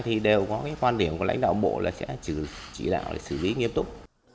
thì đều có quan điểm của lãnh đạo bộ là sẽ chỉ đạo xử lý nghiêm túc